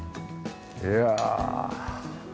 いやあ。